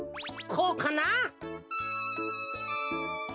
こうかな？